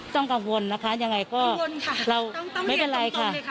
ต้องกังวลนะคะยังไงก็ไม่เป็นไรค่ะ